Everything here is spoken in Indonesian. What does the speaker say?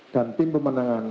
dan tim pemenangan